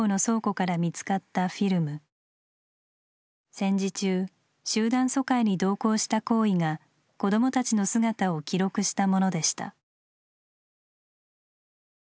戦時中集団疎開に同行した校医が子どもたちの姿を記録したものでした。